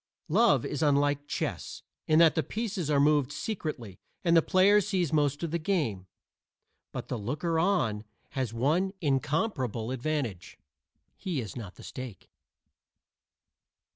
Love is unlike chess, in that the pieces are moved secretly and the player sees most of the game. But the looker on has one incomparable advantage: he is not the stake.